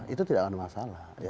itu tidak ada masalah